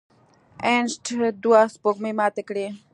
انیسټ دوه سپوږمۍ ماتې کړې.